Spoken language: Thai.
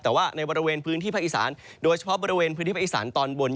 แต่ว่าในบริเวณพื้นที่ภาคอีสานโดยเฉพาะบริเวณพื้นที่ภาคอีสานตอนบน